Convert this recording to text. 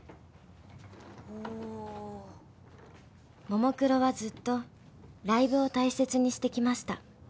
［ももクロはずっとライブを大切にしてきました］